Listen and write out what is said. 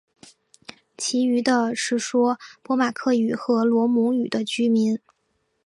其余的是说波马克语和罗姆语的居民。